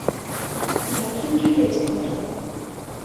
Як ён жыве цяпер?